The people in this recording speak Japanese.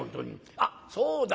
「あっそうだ。